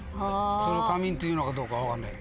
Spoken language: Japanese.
それを夏眠っていうのかどうかは分かんない。